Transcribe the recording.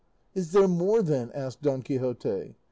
"Is there more, then?" asked Don Quixote.